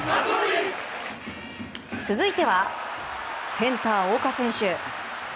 続いてはセンター岡選手。